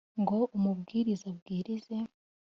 ngo umubwiliza abwilize